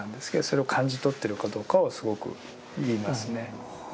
それを感じ取ってるかどうかをすごく言いますね。